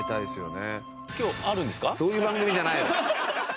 そういう番組じゃないよ。